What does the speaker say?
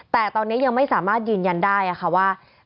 แต่ตอนนี้ยังไม่สามารถยืนยันได้ค่ะว่า